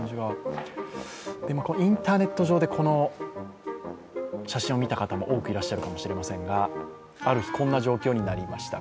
インターネット上でこの写真を見た方も多くいらっしゃるかもしれませんがある日、こんな状況になりました。